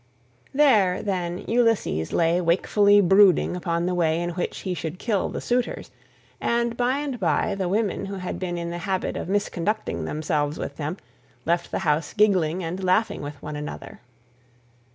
There, then, Ulysses lay wakefully brooding upon the way in which he should kill the suitors; and by and by, the women who had been in the habit of misconducting themselves with them, left the house giggling and laughing with one another.